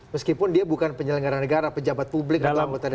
meskipun dia bukan penyelenggara negara pejabat publik atau anggota dpr